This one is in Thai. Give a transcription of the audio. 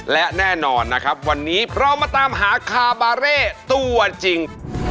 และแน่นอนนะครับวันนี้เรามาตามหาคาบาเร่ตัวจริง